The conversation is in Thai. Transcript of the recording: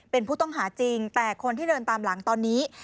เป็นผู้ต้องหาจริงแต่คนที่เดินตามหลังตอนนี้